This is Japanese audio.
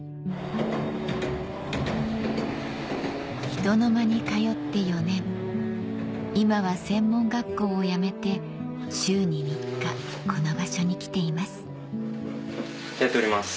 ひとのまに通って４年今は専門学校を辞めて週に３日この場所に来ていますやっております。